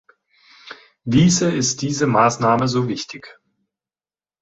Wiese ist diese Maßnahme so wichtig?